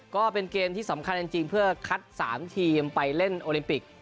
ก็เป็นเกมที่สำคัญจริงเพื่อคัด๓ทีมไปเล่นโอลิมปิก